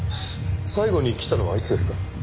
最後に来たのはいつですか？